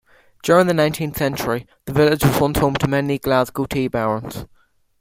During the nineteenth century the village was once home to many Glasgow tea barons.